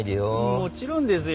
もちろんですよ。